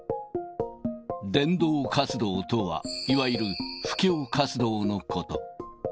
伝道活動とは、いわゆる布教活動のこと。